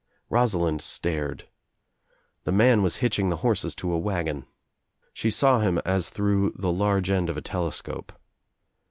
Rosalind stared. The man was hitching the horses to a wagon. She saw him as through the large end of a telescope.